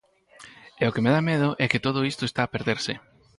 E o que me da medo é que todo iso está a perderse.